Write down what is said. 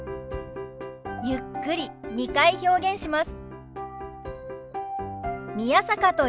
ゆっくり２回表現します。